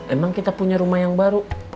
emang kita punya rumah yang baru